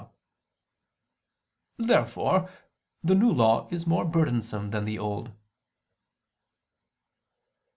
Therefore the New Law is more burdensome than the Old.